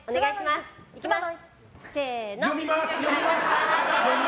いきます。